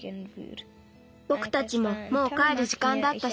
ぼくたちももうかえるじかんだったしね。